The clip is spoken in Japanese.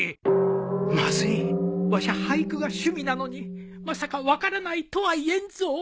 まずいわしゃ俳句が趣味なのにまさか分からないとは言えんぞ